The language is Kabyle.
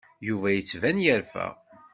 Yuba yettban yerfa.